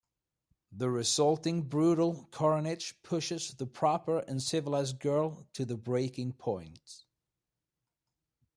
The resulting brutal carnage pushes the proper and civilized girl to the breaking point.